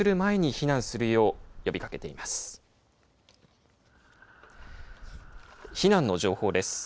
避難の情報です。